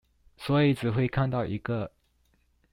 所以只會看到一個